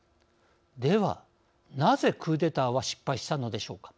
では、なぜクーデターは失敗したのでしょうか。